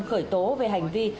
khởi tố về hành vi